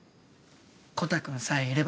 コタくんさえいれば。